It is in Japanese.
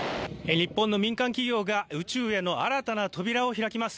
日本の民間企業が宇宙への新たな扉を開きます。